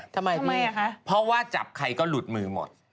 ทำไมพี่คะเพราะว่าจับใครก็หลุดมือหมด